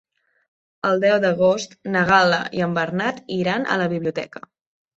El deu d'agost na Gal·la i en Bernat iran a la biblioteca.